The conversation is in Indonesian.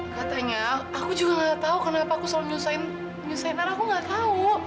katanya aku juga enggak tau kenapa aku selalu menyelesain nara aku enggak tau